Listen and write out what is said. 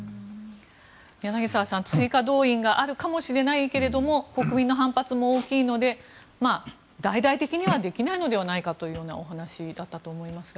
柳澤さん、追加動員があるかもしれないけれども国民の反発も大きいので大々的にはできないのではというお話だったと思いますが。